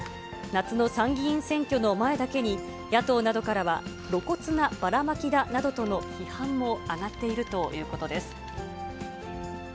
夏の参議院選挙の前だけに、野党などからは、露骨なばらまきだなどとの批判も上がっているということです。